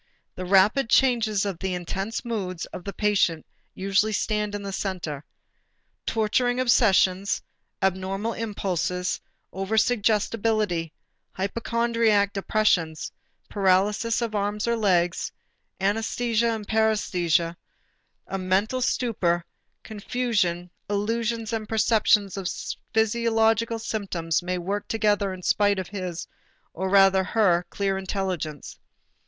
The rapid changes of the intense moods of the patient usually stand in the center. Torturing obsessions, abnormal impulses, over suggestibility, hypochondriac depressions, paralysis of arms or legs, anæsthesia and paræsthesia, a mental stupor and confusion, illusions and perceptions of physiological symptoms may work together in spite of his, or rather her clear intelligence.